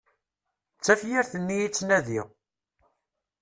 D tafyirt-nni i ttnadiɣ!